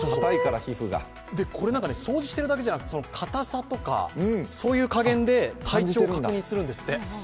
これ、掃除しているだけじゃなくて硬さとか、そういう加減で体調を確認するんですって。